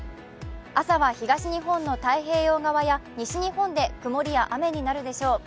朝は東日本の太平洋側や西日本で曇りや雨になるでしょう。